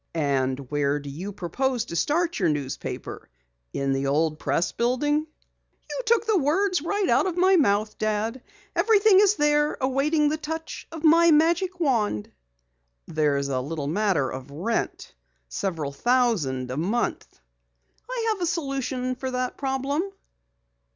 "And where do you propose to start your newspaper? In the old Press building?" "You took the words out of my mouth, Dad. Everything is there, awaiting the touch of my magic wand." "There's a little matter of rent. Several thousand a month." "I have a solution for that problem."